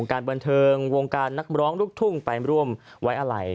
การบันเทิงวงการนักร้องลูกทุ่งไปร่วมไว้อะไร